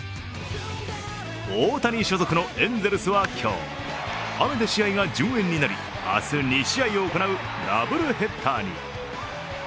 大谷所属のエンゼルスは今日、雨で試合が順延になり、明日２試合を行うダブルヘッダーに。